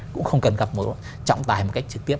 cũng không cần gặp một trọng tài một cách trực tiếp